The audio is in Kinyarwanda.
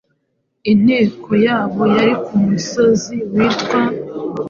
Inteko yabo yari ku musozi witwa